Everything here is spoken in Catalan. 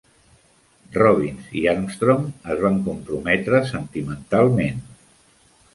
Robbins i Armstrong es van comprometre sentimentalment.